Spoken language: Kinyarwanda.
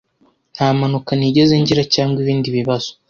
Nta mpanuka nigeze ngira cyangwa ibindi bibazo.